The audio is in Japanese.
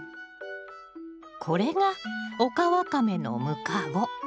これがオカワカメのムカゴ。